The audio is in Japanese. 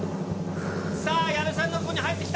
さあ、矢部さんの所に入ってきた。